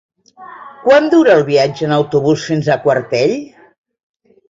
Quant dura el viatge en autobús fins a Quartell?